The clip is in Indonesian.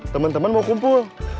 temen temen mau kumpul